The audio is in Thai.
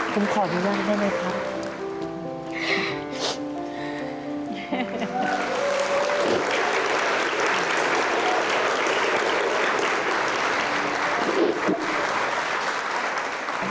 พ่อขอหนูหน้าให้หน่อยครับ